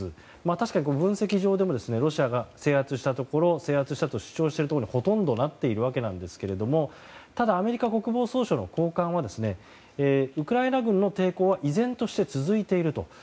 確かに分析上でもロシアが制圧したと主張したところとほとんどなっているんですがただ、アメリカ国防総省の高官はウクライナ軍の抵抗は依然として続いていると。